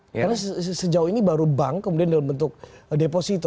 karena sejauh ini baru bank kemudian dalam bentuk deposito